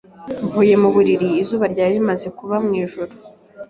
Mvuye mu buriri, izuba ryari rimaze kuba mwijuru